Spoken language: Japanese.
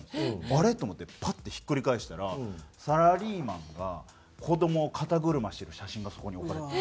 あれ？と思ってパッてひっくり返したらサラリーマンが子どもを肩車してる写真がそこに置かれてた。